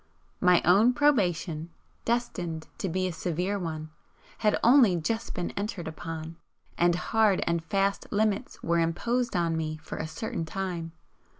My own probation destined to be a severe one had only just been entered upon; and hard and fast limits were imposed on me for a certain time.